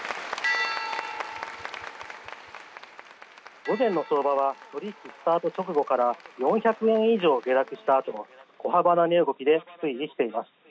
午前の相場は取引スタート直後から４００円以上値下げしたあとも小幅な値動きで推移しています。